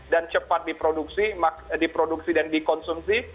dan cepat diproduksi dan dikonsumsi